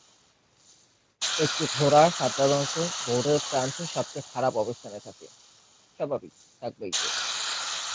একটি ঘোড়া সাধারণত বোর্ডের প্রান্তে সবচেয়ে খারাপ অবস্থানে থাকে।